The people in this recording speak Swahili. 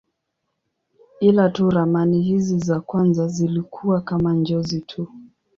Ila tu ramani hizi za kwanza zilikuwa kama njozi tu.